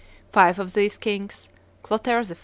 Five of these kings, Clotaire I.